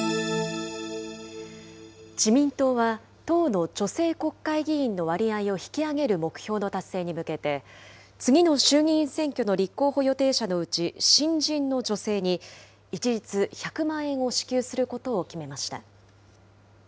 自民党は党の女性国会議員の割合を引き上げる目標の達成に向けて、次の衆議院選挙の立候補予定者のうち新人の女性に、一律１００万円を支給することを決めました。